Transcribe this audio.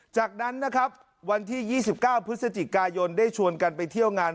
จากนั้นนะครับวันที่๒๙พฤศจิกายนได้ชวนกันไปเที่ยวงาน